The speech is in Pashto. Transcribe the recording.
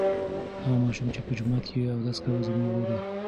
هغه ماشوم چې په جومات کې اودس کاوه زما ورور و.